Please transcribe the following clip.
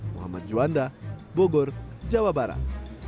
muhammad juanda bogor jawa barat